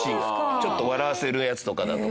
ちょっと笑わせるやつとかだと特に。